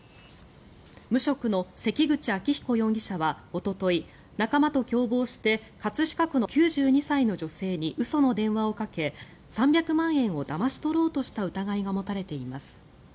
無職の関口秋彦容疑者はおととい仲間と共謀して葛飾区の９２歳の女性に嘘の電話をかけ、３００万円をだまし取ろうとした疑いが持たれています。